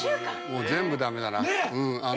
もう全部駄目だな。